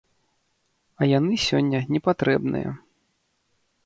А яны сёння непатрэбныя.